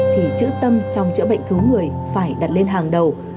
thì chữ tâm trong chữa bệnh cứu người phải đặt lên hàng đầu